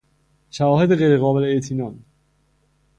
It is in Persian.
شواهد غیر قابل اطمینان